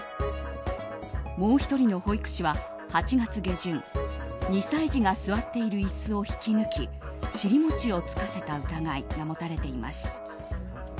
もう１人の保育士は、８月下旬２歳児が座っている椅子を引き抜き、尻餅をつかせた疑いが持たれています。